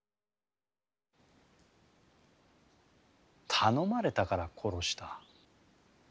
頼まれたから殺した？